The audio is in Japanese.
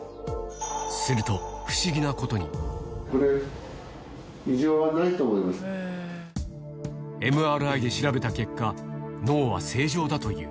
すると、これ、ＭＲＩで調べた結果、脳は正常だという。